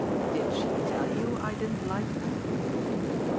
"Did she tell you I didn't like her?"